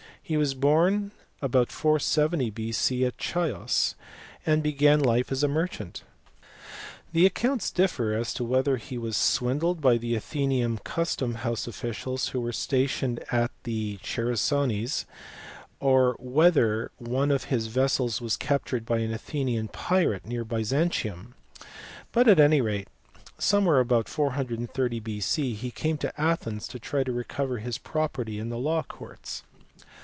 He was born about 470 B.C. at Chios, and began life as a merchant. The accounts differ as to whether he was swindled by the Athenian custom house officials who were stationed at the Chersonese, or whether one of his vessels was captured by an Athenian pirate near Byzantium ; but at any rate somewhere about 430 B.C. he came to Athens to try to recover his property in the law courts.